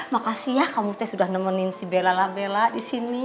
makasih ya kamu tuh sudah nemenin si bella bella disini